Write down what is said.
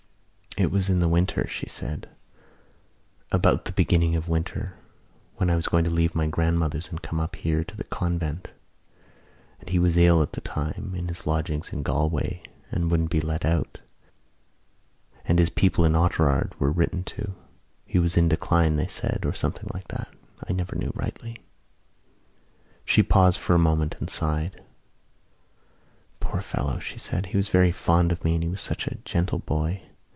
"It was in the winter," she said, "about the beginning of the winter when I was going to leave my grandmother's and come up here to the convent. And he was ill at the time in his lodgings in Galway and wouldn't be let out and his people in Oughterard were written to. He was in decline, they said, or something like that. I never knew rightly." She paused for a moment and sighed. "Poor fellow," she said. "He was very fond of me and he was such a gentle boy.